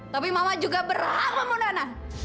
tapi mama juga berhak membunuh ana